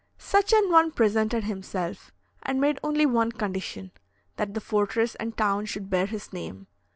Such an one presented himself, and made only one condition, that the fortress and town should bear his name.